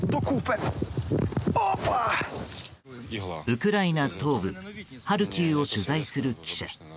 ウクライナ東部ハルキウを取材する記者。